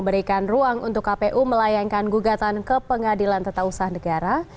berikan ruang untuk kpu melayangkan gugatan ke pengadilan tata usaha negara